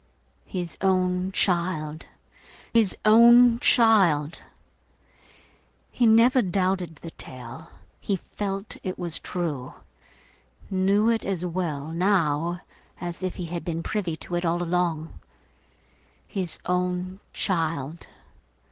His own child, his own child! He never doubted the tale; he felt it was true; knew it as well, now, as if he had been privy to it all along. His own child!